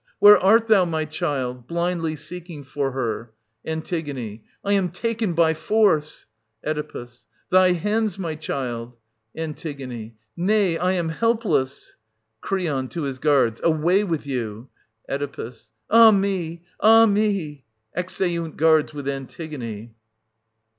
Where art thou, my child ? {blindly seeking for her). An. I am taken by force — Oe. Thy hands, my child !— An. Nay, I am helpless. Cr. {to his guards). Away with you ! Oe. Ah me, ah me ! [Exeunt guards with Antigone.